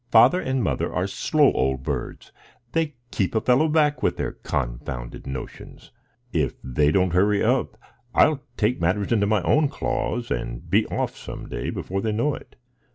"Father and mother are slow old birds; they keep a fellow back with their confounded notions. If they don't hurry up, I'll take matters into my own claws, and be off some day before they know it.